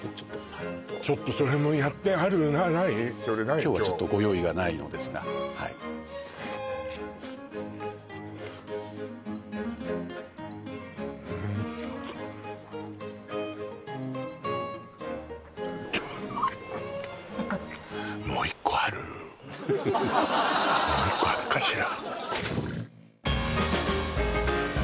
今日はちょっとご用意がないのですがはいもう１個あるかしら？